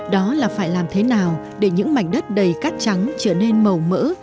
đó là phải làm thế nào để những mảnh đất đầy cắt trắng trở nên màu mỡ